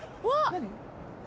何？